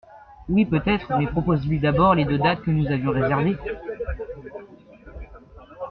Oui, peut-être mais propose lui d’abord les deux dates que nous avions réservées.